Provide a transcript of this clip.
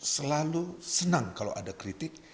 selalu senang kalau ada kritik